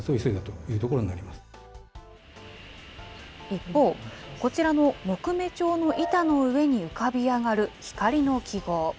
一方、こちらの木目調の板の上に浮かび上がる光の記号。